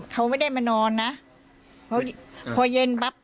กะนดีไปทั้งวันทั้งวัน